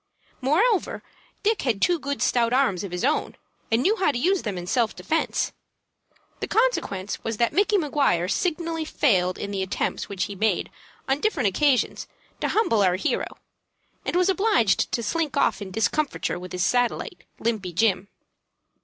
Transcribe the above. Moreover, Dick had two good stout arms of his own, and knew how to use them in self defence. The consequence was that Micky Maguire signally failed in the attempts which he made on different occasions to humble our hero, and was obliged to slink off in discomfiture with his satellite, Limpy Jim.